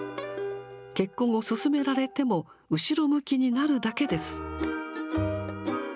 結婚を勧められても、後ろ向きになるだけです。